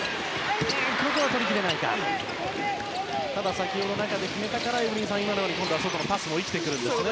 先ほど、中で決めたからあのような外のパスも生きてくるんですよね。